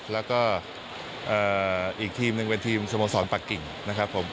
แล้วก็อีกทีมหนึ่งเป็นทีมสโมสรปักกิ่งนะครับผม